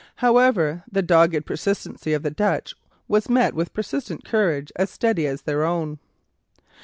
However, the dogged persistency of the Dutch was met with persistent courage as steady as their own.